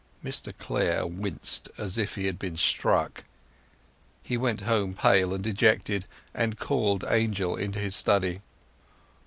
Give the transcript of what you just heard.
Mr Clare winced as if he had been struck. He went home pale and dejected, and called Angel into his study.